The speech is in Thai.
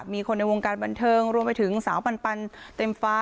มีคนในวงการบันเทิงรวมไปถึงสาวปันเต็มฟ้า